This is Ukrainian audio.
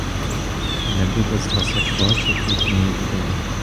Не буде з вас, як бачу, путньої людини.